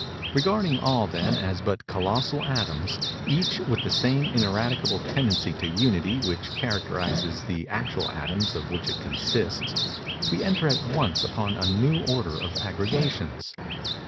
Regarding all, then, as but colossal atoms, each with the same ineradicable tendency to Unity which characterizes the actual atoms of which it consists—we enter at once upon a new order of aggregations.